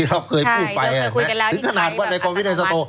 เราเคยพูดไปตื้นขนาดว่าในโคอนวีเนียนโต